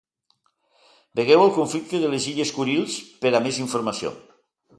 Vegeu el conflicte de les illes Kurils per a més informació.